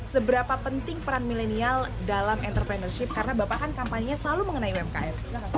seberapa penting peran milenial dalam entrepreneurship karena bapak kan kampanye selalu mengenai umkm